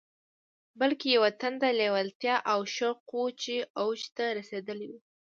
بلکې يوه تنده، لېوالتیا او شوق و چې اوج ته رسېدلی و.